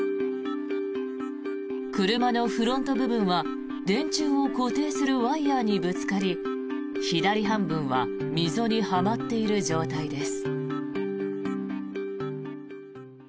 車のフロント部分は電柱を固定するワイヤにぶつかり左半分は溝にはまっている状態です。